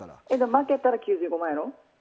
負けたら９５万やろ？